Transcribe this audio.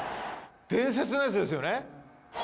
伝説のやつですよね。